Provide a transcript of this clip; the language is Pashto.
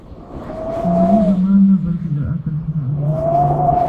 • شتمني د مال نه، بلکې د عقل سره ارزښت لري.